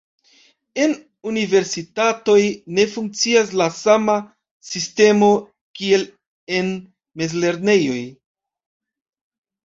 Em universitatoj ne funkcias la sama sistemo kiel en mezlernejoj.